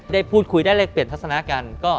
ได้พูดคุยได้แลกเปลี่ยนทัศนะกัน